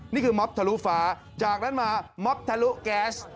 นี่คือม็อบทะลุฟ้าจากนั้นมาม็อบทะลุแก๊ส